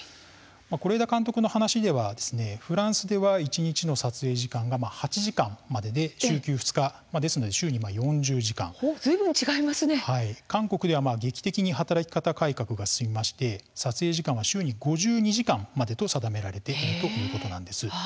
是枝監督の話ではフランスでは一日の撮影時間が８時間までで週休２日ですので週に４０時間韓国では劇的に働き方改革が進みまして撮影時間は週に５２時間までと定められているということなんです。